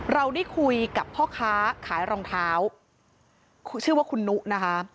เราได้คุยกับพ่อค้าขายรองเท้าชื่อว่าคุณนุนะคะ